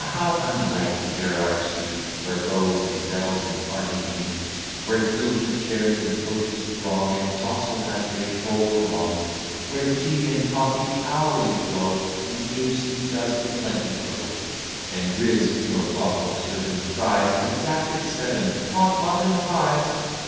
how unlike to Gerard Street, Where beaux and belles in parties meet; Where gilded chairs and coaches throng, And jostle as they troll along; Where tea and coffee hourly flow, And gape seed does in plenty grow; And Griz (no clock more certain) cries, Exact at seven, "Hot mutton pies!"